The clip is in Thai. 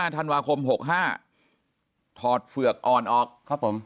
ธันวาคม๖๕ถอดเฝือกอ่อนออกครับผม